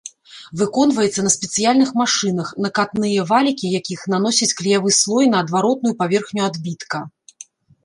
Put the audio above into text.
Выконваецца на спецыяльных машынах, накатныя валікі якіх наносяць клеявы слой на адваротную паверхню адбітка.